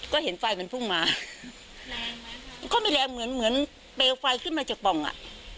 ก็เห็นไฟมันพุ่งมาแรงไหมมันก็มีแรงเหมือนเหมือนเปลวไฟขึ้นมาจากป่องอ่ะ